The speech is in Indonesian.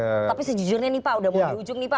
tapi sejujurnya nih pak udah mau di ujung nih pak